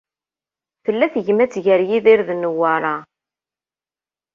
Tella tegmat ger Yidir d Newwara.